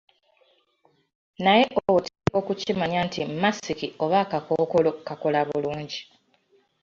Naye oteekwa okukimanya nti masiki oba akakookolo kakola bulungi.